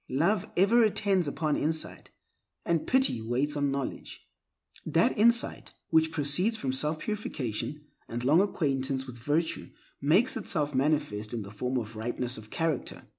Love ever attends upon insight, and pity waits on knowledge. That insight which proceeds from self purification and long acquaintance with virtue makes itself manifest in the form of ripeness of character.